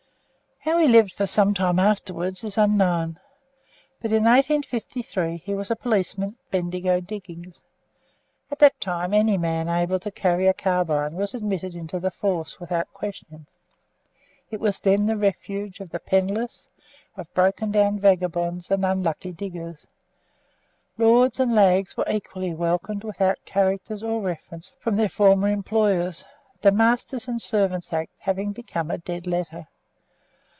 How he lived for some time afterwards is unknown; but in 1853 he was a policeman at Bendigo diggings. At that time any man able to carry a carbine was admitted into the force without question. It was then the refuge of the penniless, of broken down vagabonds, and unlucky diggers. Lords and lags were equally welcomed without characters or references from their former employers, the Masters' and Servants' Act having become a dead letter.